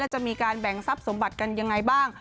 จะมีการแบ่งทรัพย์สมบัติกันยังไงบ้าง